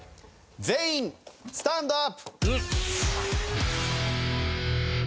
全員スタンドアップ！